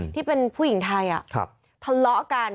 ที่เป็นผู้หญิงไทยทะเลาะกัน